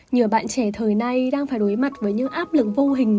nhiều bạn trẻ thời nay đang phải đối mặt với những áp lực vô hình